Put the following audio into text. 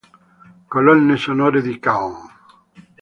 Colonne sonore di K-On!